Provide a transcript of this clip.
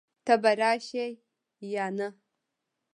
ته به راشې يا نه؟